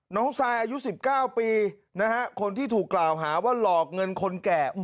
ทรายอายุ๑๙ปีนะฮะคนที่ถูกกล่าวหาว่าหลอกเงินคนแก่